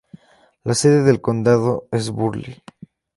La sede del condado es Burley.